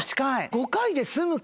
５回で済むか？